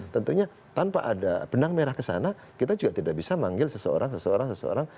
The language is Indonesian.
tentunya tanpa ada benang merah ke sana kita juga tidak bisa manggil seseorang seseorang